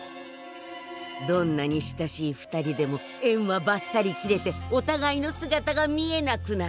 どんなに親しい２人でもえんはばっさり切れておたがいの姿が見えなくなる。